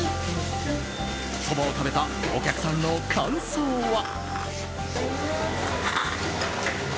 そばを食べたお客さんの感想は。